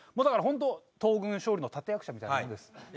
だからホント東軍勝利の立役者みたいなもんです。